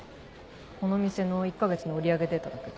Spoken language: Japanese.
この店の１か月の売り上げデータだけど。